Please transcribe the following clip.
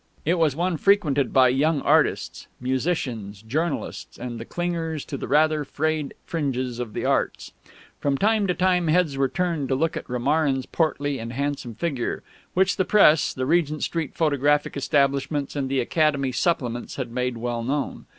It was one frequented by young artists, musicians, journalists and the clingers to the rather frayed fringes of the Arts. From time to time heads were turned to look at Romarin's portly and handsome figure, which the Press, the Regent Street photographic establishments, and the Academy Supplements had made well known.